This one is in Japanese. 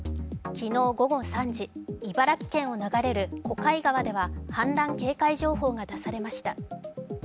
昨日午後３時、茨城県を流れる小貝川では氾濫警戒情報が出されました。